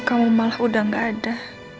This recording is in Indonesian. kamu malah udah gak ada